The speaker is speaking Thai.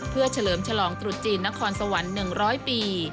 เพื่อเฉลิมฉลองตรุษจีนนครสวรรค์๑๐๐ปี